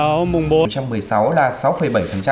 hội hội hội